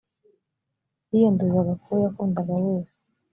yiyanduzaga ku uwo yakundaga wese